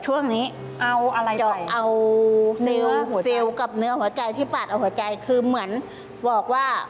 ช่วงนี้จะเอาซิลกับเนื้อหัวใจที่ปาดเอาหัวใจคือเหมือนบอกว่า